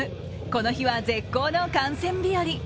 この日は絶好の観戦日より。